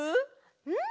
うん！